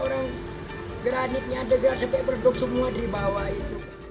orang granitnya ada sampai berduk semua dari bawah itu